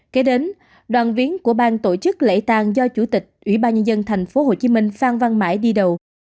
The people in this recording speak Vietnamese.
kế đến đoàn viến của bang tổ chức lễ tàng do chủ tịch ủy ban nhân dân tp hcm phan văn mãi đi đầu